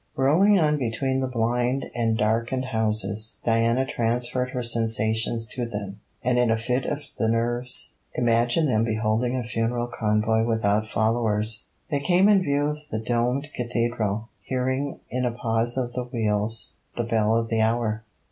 Rolling on between the blind and darkened houses, Diana transferred her sensations to them, and in a fit of the nerves imagined them beholding a funeral convoy without followers. They came in view of the domed cathedral, hearing, in a pause of the wheels, the bell of the hour.